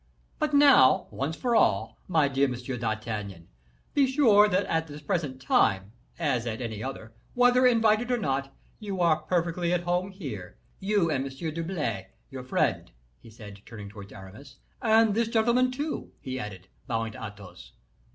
But now, once for all, my dear M. d'Artagnan, be sure that at this present time, as at any other, whether invited or not, you are perfectly at home here, you and M. d'Herblay, your friend," he said, turning towards Aramis; "and this gentleman, too," he added, bowing to Athos.